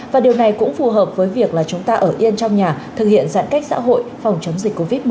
và điều này cũng phù hợp với việc là chúng ta ở yên trong nhà thực hiện giãn cách xã hội phòng chống dịch covid một mươi chín